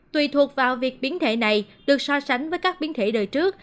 tùy thuộc vào việc biến thể này được so sánh với các biến thể đời trước